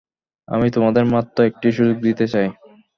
আমি তোমাদের মাত্র একটি সুযোগ দিতে চাই।